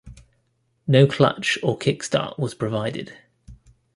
No clutch or kick-start was provided.